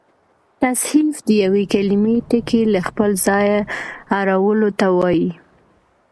تصحیف د یوې کليمې ټکي له خپله ځایه اړولو ته وا يي.